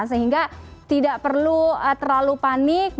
sehingga tidak perlu terlalu panik